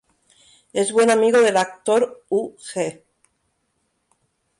Es buen amigo del actor Hu Ge.